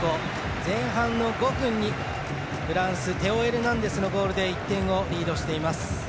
前半の５分にフランステオ・エルナンデスのゴールで１点をリードしています。